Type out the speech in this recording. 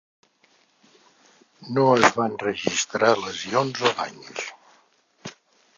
No es van registrar lesions o danys.